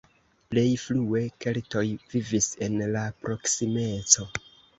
Plej frue keltoj vivis en la proksimeco.